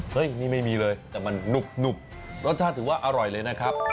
นี่ไม่มีเลยแต่มันหนุบรสชาติถือว่าอร่อยเลยนะครับ